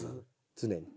常に。